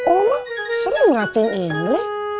omah sering merhatiin ndri